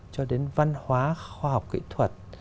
cho đến văn hóa khoa học kỹ thuật